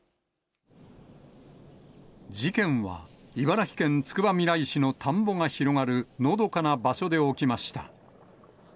事件は、茨城県つくばみらい市の田んぼが広がるのどかな場所で起きました。